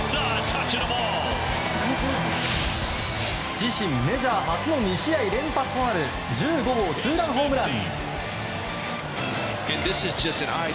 自身メジャー初の２試合連発となる１５号ツーランホームラン。